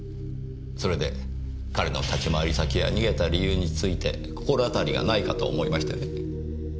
それで彼の立ち回り先や逃げた理由について心当たりがないかと思いましてね。